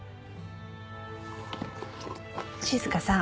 静さん。